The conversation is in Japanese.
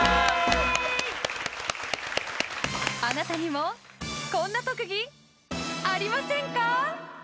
あなたにもこんな特技ありませんか？